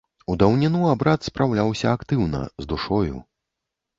У даўніну абрад спраўляўся актыўна, з душою.